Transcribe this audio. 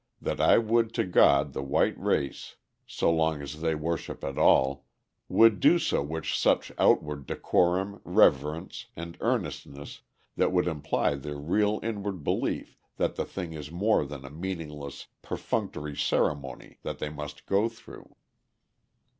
that I would to God the white race, so long as they worship at all, would do so with such outward decorum, reverence, and earnestness that would imply their real inward belief that the thing is more than a meaningless, perfunctory ceremony that they must go through.